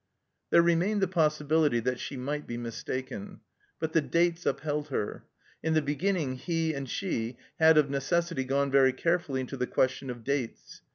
There remained the possibility that she might be mistaken. But the dates upheld her. In the be ginning he and she had, of necessity, gone very careftilly into the question of dates.